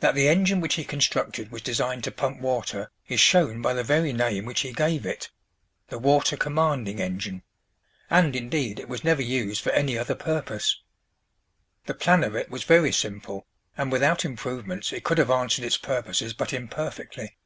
That the engine which he constructed was designed to pump water is shown by the very name which he gave it, "the water commanding engine," and, indeed, it was never used for any other purpose. The plan of it was very simple, and, without improvements, it could have answered its purposes but imperfectly.